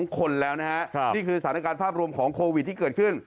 คนแล้วนะฮะนี่คือสถานการณ์ภาพรวมของโควิดที่เกิดขึ้น